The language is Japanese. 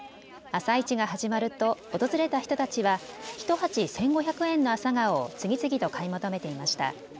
朝市が始まると訪れた人たちは１鉢１５００円の朝顔を次々と買い求めていました。